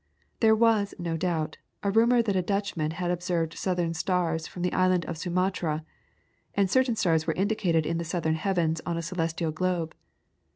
There was, no doubt, a rumour that a Dutchman had observed southern stars from the island of Sumatra, and certain stars were indicated in the southern heavens on a celestial globe.